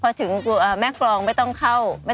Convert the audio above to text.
ก็จะเชิญชวนน้ำชมทางบ้านที่